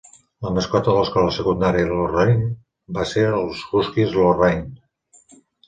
La mascota de l'escola secundària Lorraine va ser els huskies Lorraine.